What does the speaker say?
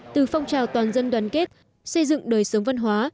từ phong trào toàn dân đoàn kết xây dựng đời sống văn hóa